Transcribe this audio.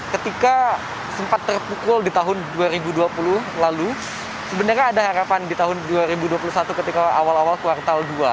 ketika sempat terpukul di tahun dua ribu dua puluh lalu sebenarnya ada harapan di tahun dua ribu dua puluh satu ketika awal awal kuartal dua